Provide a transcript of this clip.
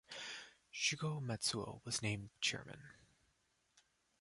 Shugo Matsuo was named chairman.